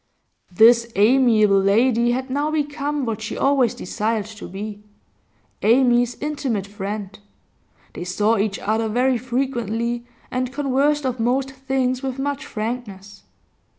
This amiable lady had now become what she always desired to be, Amy's intimate friend; they saw each other very frequently, and conversed of most things with much frankness.